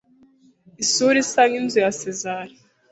Isura isa n'inzu ya Sezari